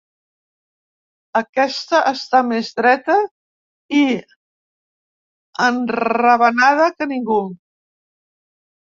Aquesta està més dreta i enravenada que ningú.